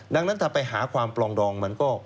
ดังนั้นถ้าไปหาความปลองดองมันก็